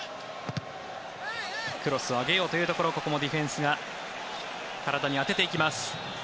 クロスを上げようというところここもディフェンスが体に当てていきます。